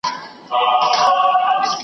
زه له هغه ښاره راغلم چي ملاله یې ګونګۍ ده .